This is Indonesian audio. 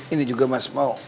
ini juga mas mau